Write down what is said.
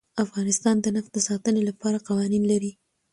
افغانستان د نفت د ساتنې لپاره قوانین لري.